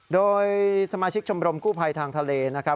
โดยสมาชิกชมรมกู้ภัยทางทะเลนะครับ